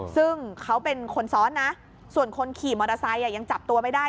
ซึ่งเขาเป็นคนซ้อนนะส่วนคนขี่มอเตอร์ไซค์ยังจับตัวไม่ได้